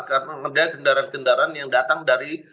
karena ada kendaraan kendaraan yang datang dari